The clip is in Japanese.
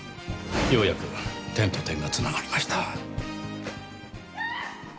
ようやく点と点が繋がりました。